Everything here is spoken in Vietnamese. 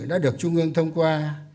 đã được trung ương thông qua